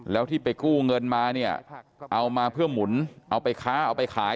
แล้วที่ไปกู้เงินมาเนี่ยเอามาเพื่อหมุนเอาไปค้าเอาไปขาย